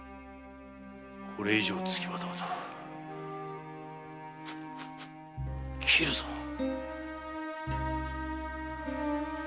これ以上つきまとうと斬るぞ！